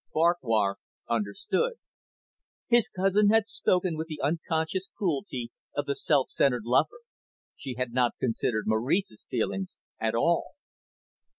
Farquhar understood. His cousin had spoken with the unconscious cruelty of the self centred lover. She had not considered Maurice's feelings at all.